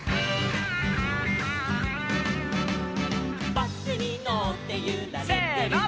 「バスにのってゆられてる」せの！